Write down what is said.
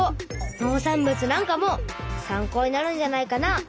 農産物なんかも参考になるんじゃないかな。